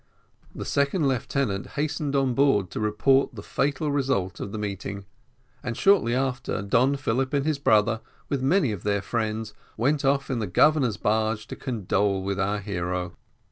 The second lieutenant hastened on board to report the fatal result of the meeting, and shortly after, Don Philip and his brother, with many of their friends, went off in the Governor's barge to condole with our hero.